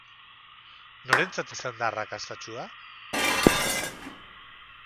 Norentzat izan da arrakastatsua?